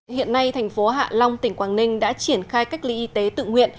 hiện nay thành phố hạ long tỉnh quảng ninh đã triển khai cách ly y tế tự nguyện